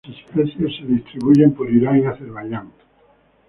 Sus especies se distribuyen por Irán y Azerbaiyán.